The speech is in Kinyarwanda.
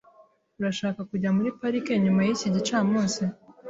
Urashaka kujya muri parike nyuma yiki gicamunsi?